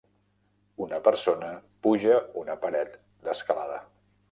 Una persona puja una paret d'escalada.